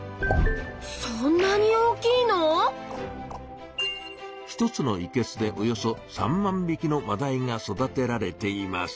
そんなに大きいの⁉１つのいけすでおよそ３万びきのマダイが育てられています。